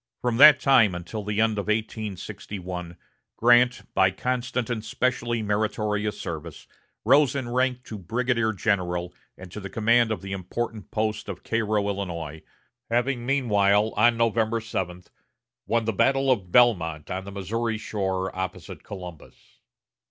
From that time until the end of 1861, Grant, by constant and specially meritorious service, rose in rank to brigadier general and to the command of the important post of Cairo, Illinois, having meanwhile, on November 7, won the battle of Belmont on the Missouri shore opposite Columbus.